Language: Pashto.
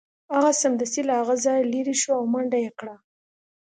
هغه سمدستي له هغه ځایه لیرې شو او منډه یې کړه